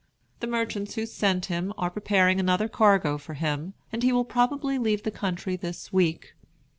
The merchants who sent him are preparing another cargo for him, and he will probably leave the country this week.